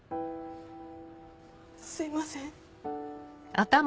すいません。